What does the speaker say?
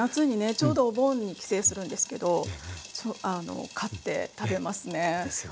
ちょうどお盆に帰省するんですけど買って食べますね。ですよね。